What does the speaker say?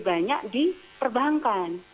banyak di perbankan